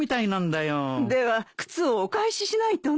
では靴をお返ししないとね。